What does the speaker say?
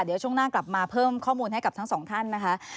เดี๋ยวช่วงหน้ากลับมาเพิ่มข้อมูลให้กับทั้งสองท่านนะคะ